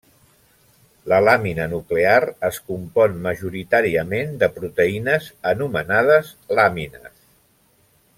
La làmina nuclear es compon majoritàriament de proteïnes anomenades làmines.